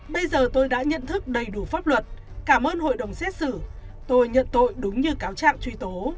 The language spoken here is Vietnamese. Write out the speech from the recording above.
bây giờ tôi đã nhận thức đầy đủ pháp luật cảm ơn hội đồng xét xử tôi nhận tội đúng như cáo trạng truy tố